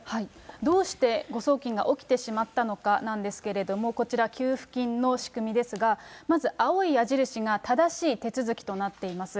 どうして誤送金が起きてしまったのかなんですけれども、こちら、給付金の仕組みですが、まず青い矢印が正しい手続きとなっています。